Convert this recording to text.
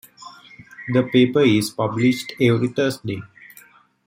The paper is published every Thursday.